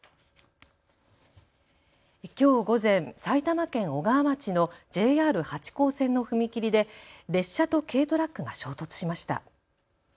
きょう午前、埼玉県小川町のＪＲ八高線の踏切で列車と軽トラックが衝突しました。